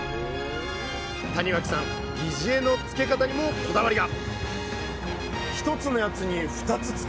谷脇さん擬似餌の付け方にもこだわりが！